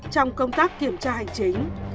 trong công tác kiểm tra hành chính